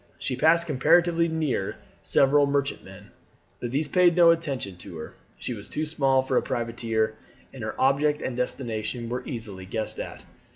She passed comparatively near several merchantmen, but these paid no attention to her. She was too small for a privateer, and her object and destination were easily guessed at.